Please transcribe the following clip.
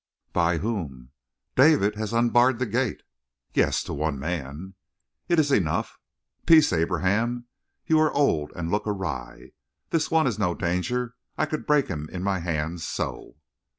"By whom?" "David has unbarred the gate." "Yes, to one man." "It is enough." "Peace, Abraham. You are old and look awry. This one man is no danger. I could break him in my hands so!"